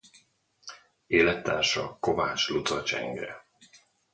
Élettársa Kovács Luca Csenge.